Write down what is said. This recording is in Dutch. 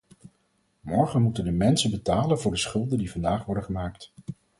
Morgen moeten de mensen betalen voor de schulden die vandaag worden gemaakt.